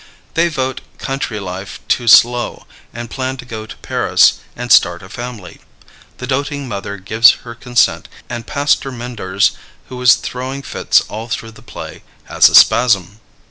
They vote country life too slow, and plan to go to Paris and start a family. The doting mother gives her consent, and Pastor Menders, who is throwing fits all through the play, has a spasm.